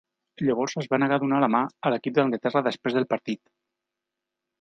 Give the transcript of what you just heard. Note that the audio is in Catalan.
Llavors es va negar a donar la mà a l'equip d'Anglaterra després del partit.